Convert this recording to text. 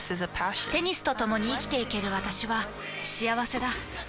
テニスとともに生きていける私は幸せだ。